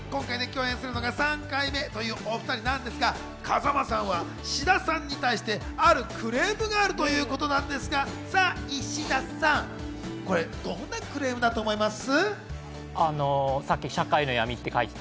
今回で共演するのが３回目というお２人なんですが、風間さんは志田さんに対して、あるクレームがあるということなんですが、石田さん、どんなクレームだと思います？